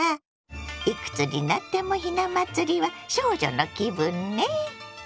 いくつになってもひな祭りは少女の気分ね。